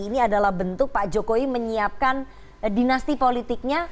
ini adalah bentuk pak jokowi menyiapkan dinasti politiknya